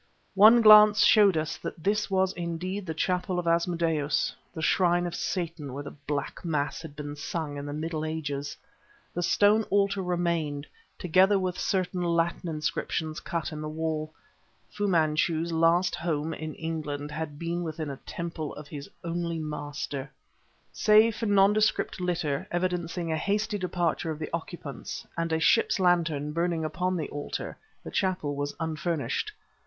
One glance showed us that this was indeed the chapel of Asmodeus, the shrine of Satan where the Black Mass had been sung in the Middle Ages. The stone altar remained, together with certain Latin inscriptions cut in the wall. Fu Manchu's last home in England had been within a temple of his only Master. Save for nondescript litter, evidencing a hasty departure of the occupants, and a ship's lantern burning upon the altar, the chapel was unfurnished.